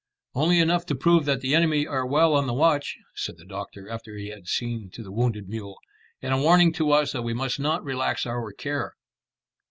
"Only enough to prove that the enemy are well on the watch," said the doctor, after he had seen to the wounded mule, "and a warning to us that we must not relax our care."